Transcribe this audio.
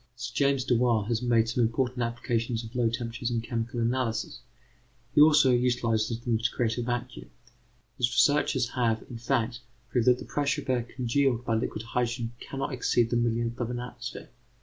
Sir James Dewar has made some important applications of low temperatures in chemical analysis; he also utilizes them to create a vacuum. His researches have, in fact, proved that the pressure of air congealed by liquid hydrogen cannot exceed the millionth of an atmosphere.